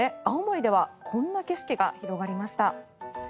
青森ではこんな景色が広がりました。